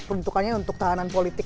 pentukannya untuk tahanan politik